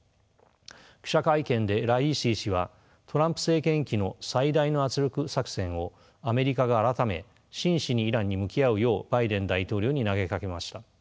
記者会見でライシ師はトランプ政権期の最大の圧力作戦をアメリカが改め真摯にイランに向き合うようバイデン大統領に投げかけました。